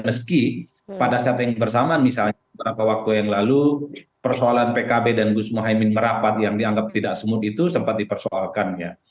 meski pada saat yang bersamaan misalnya beberapa waktu yang lalu persoalan pkb dan gus mohaimin merapat yang dianggap tidak smooth itu sempat dipersoalkan ya